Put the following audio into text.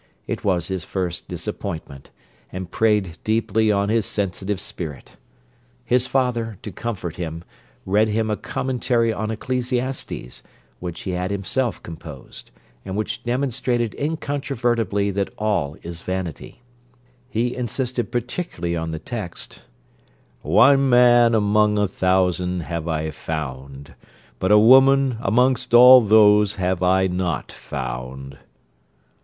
It was his first disappointment, and preyed deeply on his sensitive spirit. His father, to comfort him, read him a Commentary on Ecclesiastes, which he had himself composed, and which demonstrated incontrovertibly that all is vanity. He insisted particularly on the text, 'One man among a thousand have I found, but a woman amongst all those have I not found.'